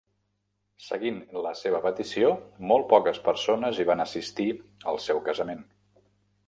Seguint la seva petició, molt poques persones hi van assistir al seu casament.